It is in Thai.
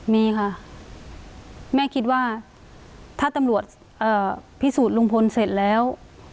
มีค่ะแม่คิดว่าถ้าตำรวจพิสูจน์ลุงพลเสร็จแล้ว